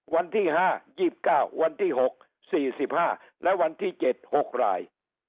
วันที่๕๒๙วันที่๖๔๕และวันที่๗๖ราย